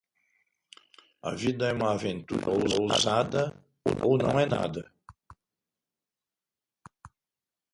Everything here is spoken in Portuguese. A vida é uma aventura ousada ou não é nada.